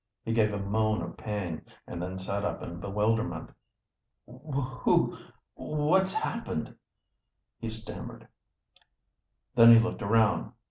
He gave a moan of pain, and then sat up in bewilderment. "Who what's happened?" he stammered. Then he looked around.